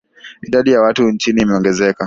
Idadi ya watu nchini imeongezeka